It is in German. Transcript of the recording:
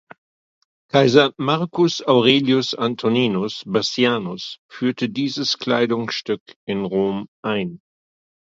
Kaiser "Marcus Aurelius Antoninus Bassianus" führte dieses Kleidungsstück in Rom ein.